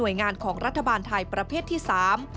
ซึ่งกลางปีนี้ผลการประเมินการทำงานขององค์การมหาชนปี๒ประสิทธิภาพสูงสุด